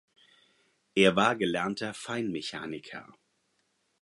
Er war gelernter Feinmechaniker.